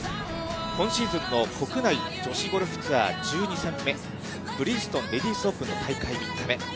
今シーズンの国内女子ゴルフツアー１２戦目、ブリヂストンレディスオープンの大会３日目。